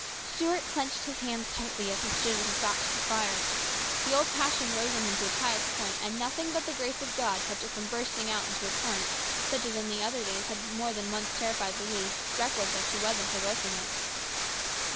Stuart clenched his hands tightly as he stood with his back to the fire. The old passion rose in him to its highest point, and nothing but the grace of God kept it from bursting out into a torrent such as in the other days had more than once terrified Louise, reckless as she was in provoking it.